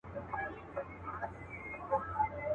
له هر یوه سره د غلو ډلي غدۍ وې دلته.